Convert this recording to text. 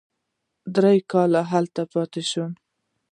درې کاله هلته پاتې شوم.